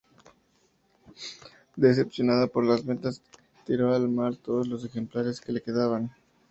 Decepcionado por las ventas tiró al mar todos los ejemplares que le quedaban.